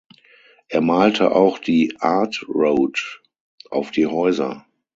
Er malte auch die „Art Road“ auf die Häuser.